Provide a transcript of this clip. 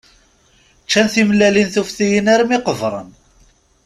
Ččan timellalin tuftiyin armi qebren.